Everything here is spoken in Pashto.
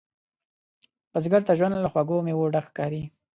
بزګر ته ژوند له خوږو میوو ډک ښکاري